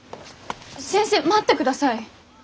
先生待ってください。